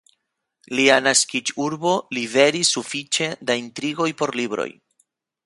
Lia naskiĝurbo liveris sufiĉe da intrigoj por libroj!